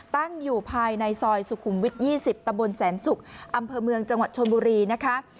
ตั้งอยู่ภายในซอยสุขุมวิท๒๐ตะบนแสนศุกร์อำเภอเมืองจังหวัดชนบุรีนะคะ